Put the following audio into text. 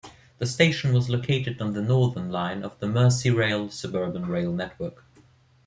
The station was located on the Northern Line of the Merseyrail suburban rail network.